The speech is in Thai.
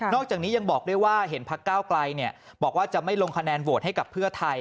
จากนี้ยังบอกด้วยว่าเห็นพักก้าวไกลบอกว่าจะไม่ลงคะแนนโหวตให้กับเพื่อไทย